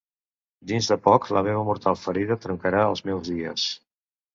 Dins de poc la meva mortal ferida truncarà els meus dies.